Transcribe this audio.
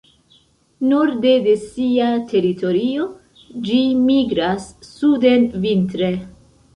Norde de sia teritorio ĝi migras suden vintre.